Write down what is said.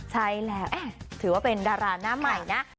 ใช่แล้วถือว่าเป็นดาราหน้าใหม่นะ